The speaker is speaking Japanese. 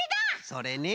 それね。